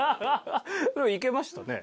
いけましたね。